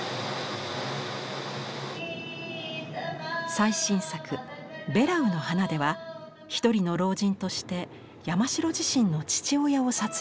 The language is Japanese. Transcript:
最新作「ベラウの花」では一人の老人として山城自身の父親を撮影しました。